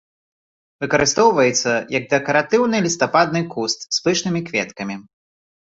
Выкарыстоўваецца як дэкаратыўны лістападны куст з пышнымі кветкамі.